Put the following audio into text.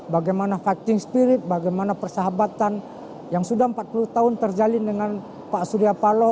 bagaimana fighting spirit bagaimana persahabatan yang sudah empat puluh tahun terjalin dengan pak suryapalo